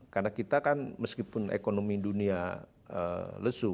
karena kita kan meskipun ekonomi dunia lesu